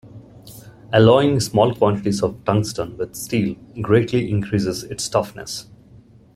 Alloying small quantities of tungsten with steel greatly increases its toughness.